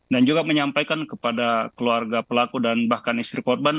dan juga menyampaikan kepada keluarga pelaku dan bahkan istri korban